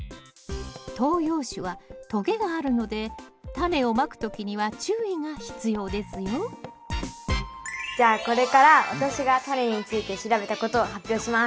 東洋種はとげがあるのでタネをまく時には注意が必要ですよじゃあこれから私がタネについて調べたことを発表します。